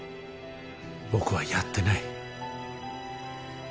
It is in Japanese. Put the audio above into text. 僕はやってない。